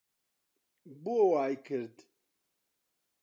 بۆ وای کرد؟